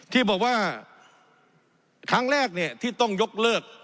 ที่บอกว่าครั้งแรกที่ต้องยกเลือก